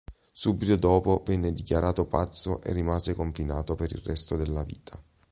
Subito dopo venne dichiarato pazzo e rimase confinato per il resto della vita.